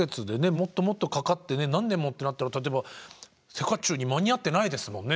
もっともっとかかってね何年もってなったら例えばセカチューに間に合ってないですもんね。